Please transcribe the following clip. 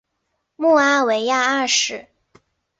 穆阿维亚二世。